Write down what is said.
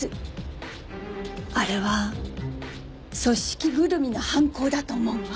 あれは組織ぐるみの犯行だと思うわ。